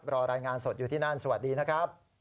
รายงานสดอยู่ที่นั่นสวัสดีนะครับ